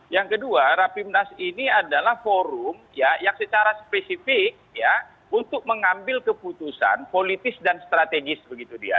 yang kedua rapimnas ini adalah forum yang secara spesifik ya untuk mengambil keputusan politis dan strategis begitu dia